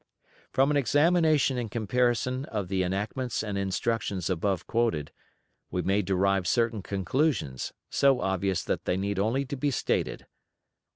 From an examination and comparison of the enactments and instructions above quoted, we may derive certain conclusions, so obvious that they need only to be stated: 1.